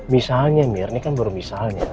misalnya mir ini kan baru misalnya